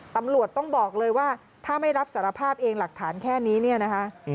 ตำรวจต้องบอกเลยว่าถ้าไม่รับสารภาพเองหลักฐานแค่นี้เนี่ยนะคะ